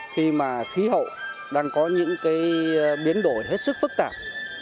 khi mà khí hậu đang có những cái biến đổi hết sức phức tạp